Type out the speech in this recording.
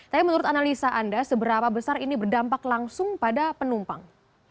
tapi menurut analisa anda seberapa besar ini berdampak langsung pada penumpang